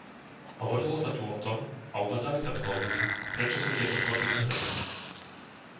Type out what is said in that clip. Hovorilo sa tu o tom a uvádzali sa dôvody, prečo sú tieto kvóty potrebné.